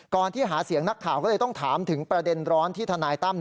ที่หาเสียงนักข่าวก็เลยต้องถามถึงประเด็นร้อนที่ทนายตั้ม